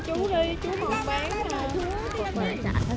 trả cho chú đi